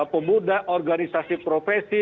pemuda organisasi profesi